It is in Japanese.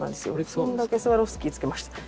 フンだけスワロフスキーつけました。